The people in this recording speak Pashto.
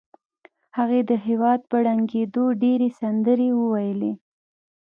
هغې د هېواد په ړنګېدو ډېرې سندرې وویلې